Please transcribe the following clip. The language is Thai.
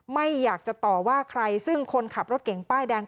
ไม่อยากจะต่อว่าใครซึ่งคนขับรถเก่งป้ายแดง